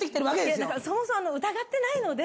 いやだからそもそも疑ってないので。